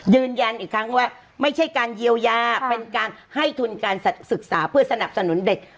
ยืนยันอีกครั้งว่าไม่ใช่การเยียวยาเป็นการให้ทุนการศึกษาเพื่อสนับสนุนเด็ก